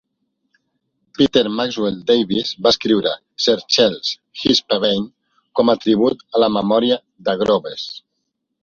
Peter Maxwell Davies va escriure "Sir Charles: his Pavane" com a tribut a la memòria de Groves.